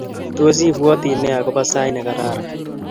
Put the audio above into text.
Tos ibwati ne agoba sait negararan?